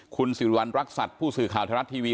คุณสิริวัณรักษัตริย์ผู้สื่อข่าวไทยรัฐทีวี